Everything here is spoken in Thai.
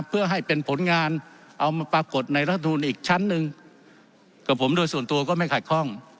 เพื่อให้เป็นผลงานเอามาปรากฏในรัฐมนูลอีกชั้นหนึ่งกับผมโดยส่วนตัวก็ไม่ขัดข้อง